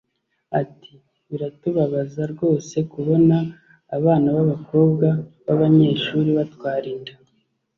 Ati "Biratubabaza rwose kubona abana b’abakobwa b’abanyeshuri batwara inda